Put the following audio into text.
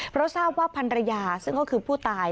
เพราะทราบว่าพันรยาซึ่งก็คือผู้ตาย